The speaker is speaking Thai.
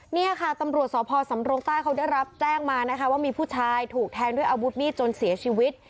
เนี่ยค่ะตำรวจสพสำรงใต้เขาได้รับแจ้งมานะคะว่ามีผู้ชายถูกแทงด้วยอาวุธมีดจนเสียชีวิต